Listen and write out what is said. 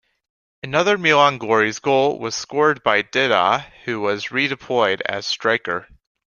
Another Milan Glorie's goal was scored by Dida who was re-deployed as striker.